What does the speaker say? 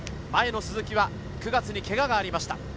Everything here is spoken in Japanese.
前の鈴木は９月にけががありました。